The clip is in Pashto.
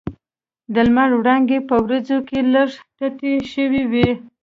د لمر وړانګې په وریځو کې لږ تتې شوې وې.